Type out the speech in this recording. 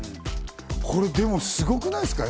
これ、でもすごくないですか？